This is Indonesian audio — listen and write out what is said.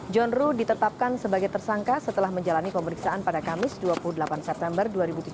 john ruh ditetapkan sebagai tersangka setelah menjalani pemeriksaan pada kamis dua puluh delapan september dua ribu tujuh belas